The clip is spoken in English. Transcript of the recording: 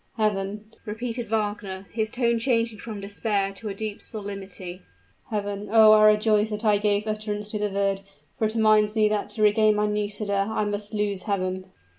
Heaven!" repeated Wagner, his tone changing from despair to a deep solemnity; "heaven! Oh! I rejoice that I gave utterance to the word; for it reminds me that to regain my Nisida I must lose heaven!"